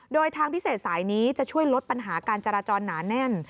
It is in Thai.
โดยทางพิเศษสายนี้จะช่วยลดปัญหาการจราจรหนาแน่น